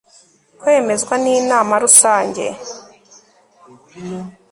kwemezwa n inama rusange